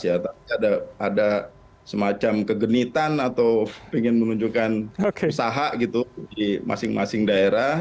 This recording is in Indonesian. ya tapi ada semacam kegenitan atau ingin menunjukkan usaha gitu di masing masing daerah